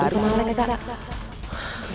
gua harus cari cara bantu tolong